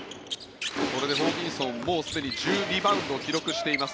これでホーキンソンもうすでに１０リバウンドを記録しています。